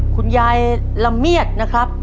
คุณยายละเมียดนะครับ